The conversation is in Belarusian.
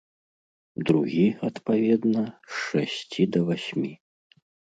Другі, адпаведна, з шасці да васьмі?